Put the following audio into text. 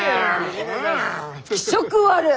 気色悪い！